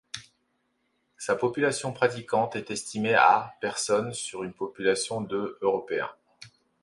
Sa population pratiquante est estimée à personnes sur une population de Européens.